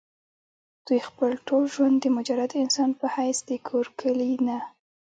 دوي خپل ټول ژوند د مجرد انسان پۀ حېث د کور کلي نه